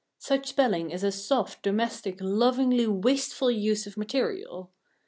Such spelling is a soft, domestic, lovingly wasteful use of material.